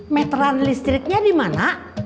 metra listriknya di mana